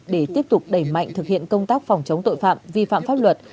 để tiếp tục đẩy mạnh thực hiện công tác phòng chống tội phạm vi phạm pháp luật